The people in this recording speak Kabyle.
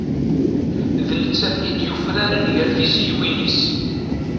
D nettat i d-yufraren ger tizyiwin-is.